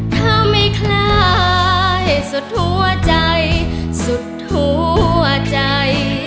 เธอไม่คล้ายสุดหัวใจสุดทั่วใจ